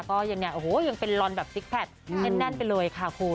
ก็ยังเป็นรอนแบบสิคแพทย์แน่นไปเลยค่ะคุณ